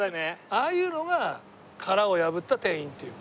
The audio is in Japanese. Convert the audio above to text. ああいうのが殻を破った店員っていうの。